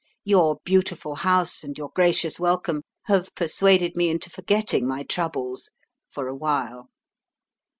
"Your beautiful house and your gracious welcome have persuaded me into forgetting my troubles for a while."